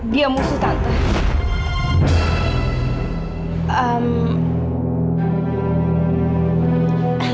dia musuh tante